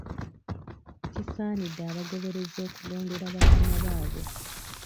Kisaanidde abagoberezi okugondera bakama baabwe.